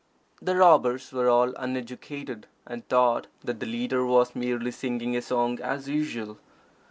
_" The robbers were all uneducated, and thought that the leader was merely singing a song as usual.